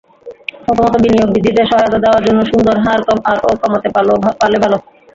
প্রথমত, বিনিয়োগ বৃদ্ধিতে সহায়তা দেওয়ার জন্য সুদের হার আরও কমাতে পারলে ভালো।